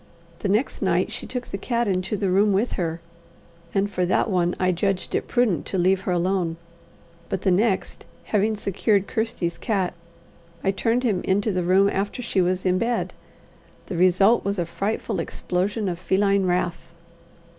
The next night she took the cat into the room with her, and for that one I judged it prudent to leave her alone, but the next, having secured Kirsty's cat, I turned him into the room after she was in bed: the result was a frightful explosion of feline wrath.